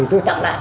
thì tôi tặng lại